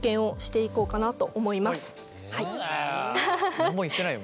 何も言ってないよまだ。